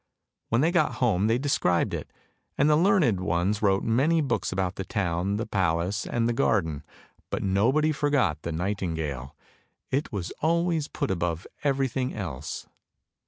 " When they got home they described it, and the learned ones wrote many books about the town, the palace, and the garden, but nobody forgot the nightingale, it was always put above everything else.